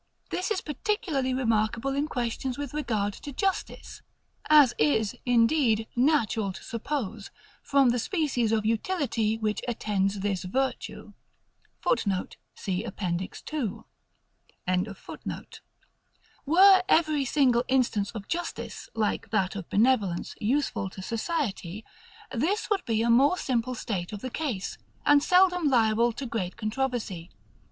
This is particularly remarkable in questions with regard to justice; as is, indeed, natural to suppose, from that species of utility which attends this virtue [Footnote: See App. II.]. Were every single instance of justice, like that of benevolence, useful to society; this would be a more simple state of the case, and seldom liable to great controversy.